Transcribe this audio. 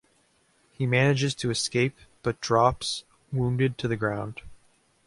He manages to escape, but drops, wounded, to the ground.